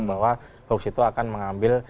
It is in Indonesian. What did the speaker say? bahwa hoax itu akan mengambil